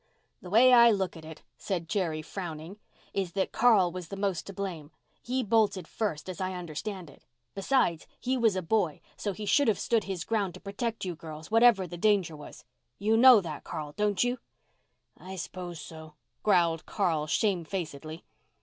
"The way I look at it," said Jerry, frowning, "is that Carl was the most to blame. He bolted first, as I understand it. Besides, he was a boy, so he should have stood his ground to protect you girls, whatever the danger was. You know that, Carl, don't you?" "I s'pose so," growled Carl shamefacedly.